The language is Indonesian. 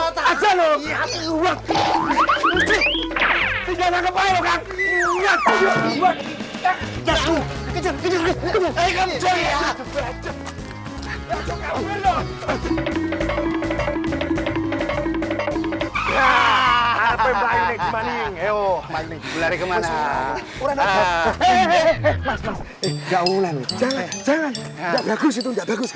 cucuk cucuk jangan apa apa kita kelinci dia kita ikut duduk sini